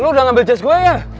lo udah ngambil jas gue ya